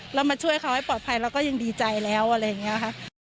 เรามาช่วยเขาให้ปลอดภัยเราก็ยังดีใจแล้วอะไรอย่างนี้ค่ะ